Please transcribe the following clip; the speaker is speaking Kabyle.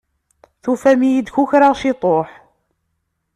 Tufam-iyi-d kukraɣ ciṭuḥ.